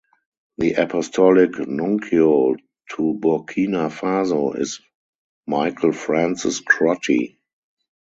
The Apostolic Nuncio to Burkina Faso is Michael Francis Crotty.